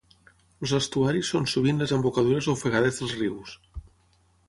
Els estuaris són sovint les embocadures ofegades dels rius.